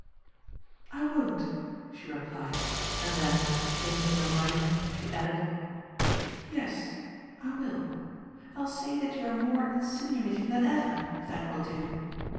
"I won't," she replied, and then, changing her mind, she added: "Yes, I will. I'll say that you are more insinuating than ever, if that will do.